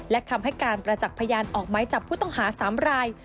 และคำให้การประจักษ์พยานออกไม้จับผู้ต้องหา๓ราย